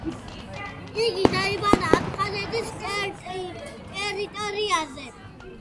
იგი დაიბადა აფხაზეთის ტერიტორიაზე.